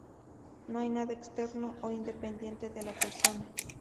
No hay nada externo o independiente de la persona.